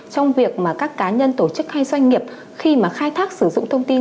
trong việc mà các cá nhân tổ chức hay doanh nghiệp khi mà khai thác sử dụng thông tin